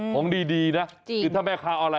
ของดีนะคือถ้าแม่ค้าออนไล